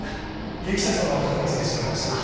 結城節子の過去について調べました。